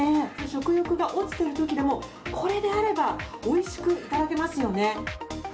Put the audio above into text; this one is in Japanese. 食欲が落ちているときでもこれであればおいしくいただけますよね。